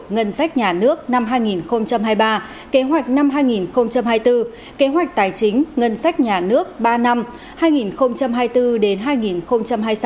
ngân sách nhà nước năm hai nghìn hai mươi ba kế hoạch năm hai nghìn hai mươi bốn kế hoạch tài chính ngân sách nhà nước ba năm hai nghìn hai mươi bốn hai nghìn hai mươi sáu